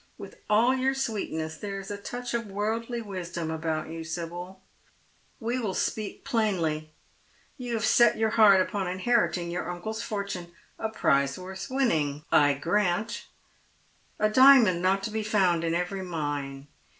With all your sweetness there is a touch of worldly wisdom about you, Sibyl. We will speak plainly. You have set your heart upon inheriting your uncle's fortune, a prize worth winning, I grant — a diamond not to be found in every mine.